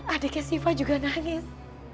adeknya siva juga nangis